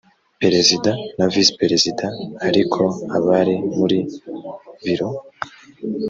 perezida na visi perezida ariko abari muri biro